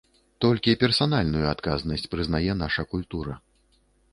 Толькі персанальную адказнасць прызнае наша культура.